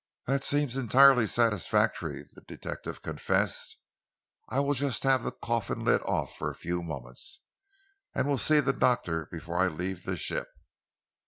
"That seems entirely satisfactory," the detective confessed. "I will just have the coffin lid off for a few moments, and will see the doctor before I leave the ship."